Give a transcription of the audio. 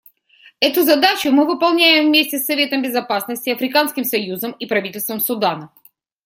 Эту задачу мы выполняем вместе с Советом Безопасности, Африканским союзом и правительством Судана.